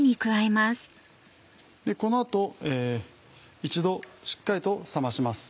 この後一度しっかりと冷まします。